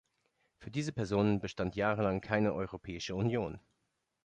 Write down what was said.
Für diese Personen bestand jahrelang keine Europäische Union.